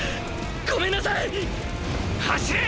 ごめんなさい走れ！